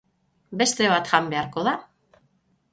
Beste bat jan beharko da.